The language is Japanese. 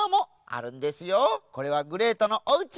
これはグレートのおうち。